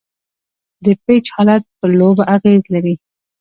د پيچ حالت پر لوبه اغېز لري.